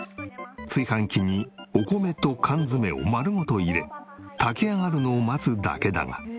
炊飯器にお米と缶詰を丸ごと入れ炊き上がるのを待つだけだが。